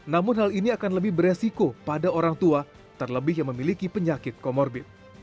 namun hal ini akan lebih beresiko pada orang tua terlebih yang memiliki penyakit komorbit